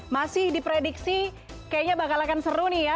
masih diprediksi kayaknya bakal akan seru nih ya